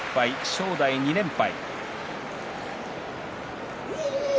正代は２連敗。